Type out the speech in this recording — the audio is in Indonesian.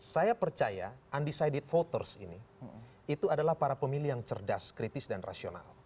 saya percaya undecided voters ini itu adalah para pemilih yang cerdas kritis dan rasional